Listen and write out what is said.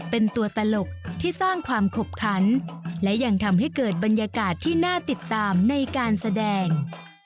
เป็นตัวตลกที่สร้างความขบขันและยังทำให้เกิดบรรยากาศที่น่าติดตามในการแสดง